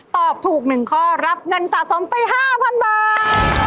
ตอบถูก๑ข้อรับเงินสะสมไป๕๐๐๐บาท